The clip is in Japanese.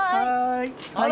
はい。